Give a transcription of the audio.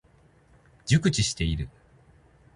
熟知している。